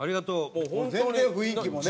全然雰囲気もね。